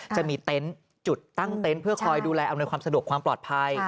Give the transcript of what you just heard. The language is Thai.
เต็นต์จุดตั้งเต็นต์เพื่อคอยดูแลอำนวยความสะดวกความปลอดภัย